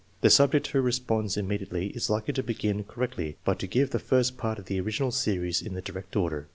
The subject who responds immediately is likely to begin cor rectly, but to give the first part of the original series in the direct order.